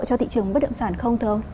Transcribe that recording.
cho thị trường bất động sản không thưa ông